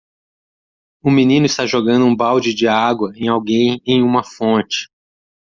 Um menino está jogando um balde de água em alguém em uma fonte.